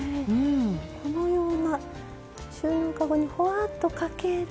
このような収納かごにほわっとかけると。